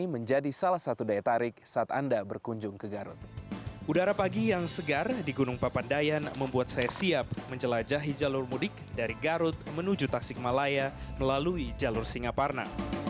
menuju tasikmalaya melalui jalur singaparna